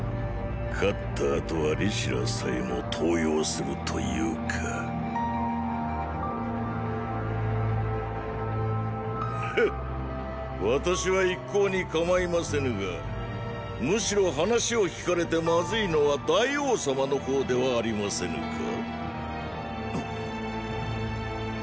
勝った後は李斯らさえも登用すると言うかフッ私は一向に構いませぬがむしろ話を聞かれてまずいのは大王様の方ではありませぬか？？